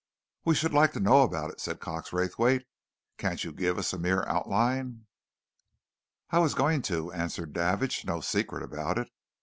"We should like to know about it," said Cox Raythwaite. "Can't you give us a mere outline?" "I was going to," answered Davidge. "No secret about it.